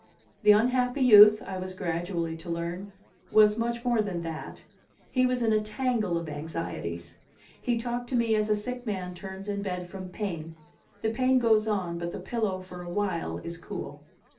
The unhappy youth, I was gradually to learn, was much more than that he was in a tangle of anxieties. He talked to me as a sick man turns in bed from pain; the pain goes on, but the pillow for a while is cool.